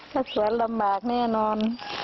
ถ้าสวนลำบากแน่นอน